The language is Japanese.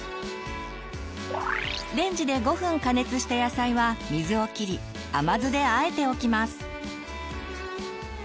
レンジで５分加熱した野菜は水をきり甘酢であえておきます。